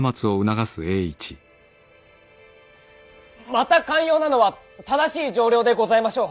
また肝要なのは正しい丈量でございましょう。